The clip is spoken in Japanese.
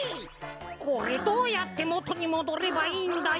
これどうやってもとにもどればいいんだよ。